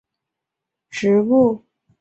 毛脉蒲桃为桃金娘科蒲桃属的植物。